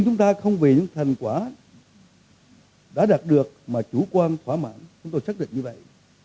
chúng ta không vì những thành quả đã đạt được mà chủ quan thỏa mãn chúng tôi xác định như vậy